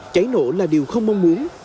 cháy nổ là điều không mong muốn